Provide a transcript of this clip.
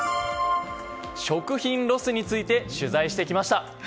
食品ロスについて取材してきました。